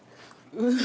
うん！